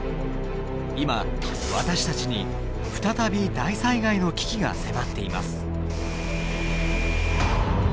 今私たちに再び大災害の危機が迫っています。